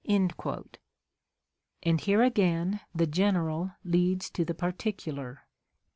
And here again the general leads to the par ticular.